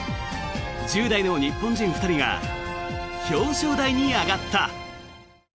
１０代の日本人２人が表彰台に上がった。